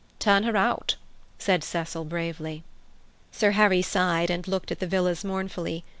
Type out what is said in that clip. "Turn her out," said Cecil bravely. Sir Harry sighed, and looked at the villas mournfully.